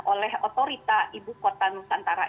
oleh otorita ibu kota nusantara